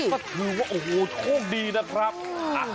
ก็ถือว่าโอ้โหโชคดีนะครับ